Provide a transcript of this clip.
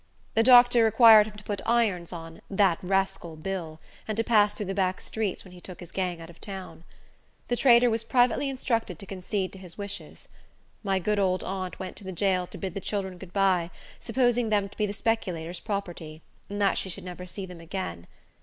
The doctor required him to put irons on "that rascal, Bill," and to pass through the back streets when he took his gang out of town. The trader was privately instructed to concede to his wishes. My good old aunt went to the jail to bid the children good by, supposing them to be the speculator's property, and that she should never see them again.